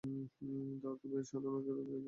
তবে এর সনদে কিছু সন্দেহ রয়েছে।